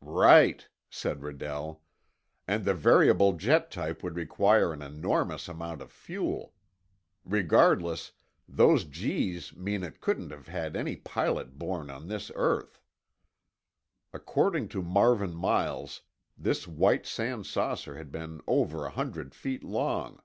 "Right," said Redell. "And the variable jet type would require an enormous amount of fuel. Regardless, those G's mean it couldn't have had any pilot born on this earth." According to Marvin Miles, this White Sands saucer had been over a hundred feet long.